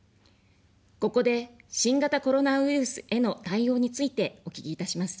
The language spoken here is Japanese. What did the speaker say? ここで、新型コロナウイルスへの対応についてお聞きいたします。